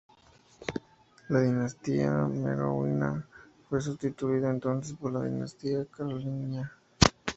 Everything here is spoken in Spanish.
La dinastía merovingia fue sustituida entonces por la dinastía Carolingia.